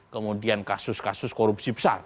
kemudian kasus kasus korupsi besar